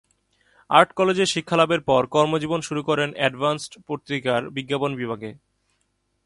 Art কলেজে শিক্ষালাভের পর কর্মজীবন শুরু করেন 'অ্যাডভান্স' পত্রিকার বিজ্ঞাপন বিভাগে।